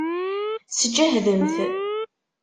Sǧehdemt!